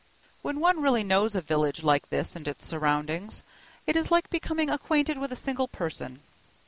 When one really knows a village like this and its surroundings, it is like becoming acquainted with a single person.